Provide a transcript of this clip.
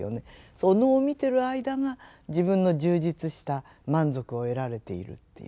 お能を見てる間が自分の充実した満足を得られているっていうね。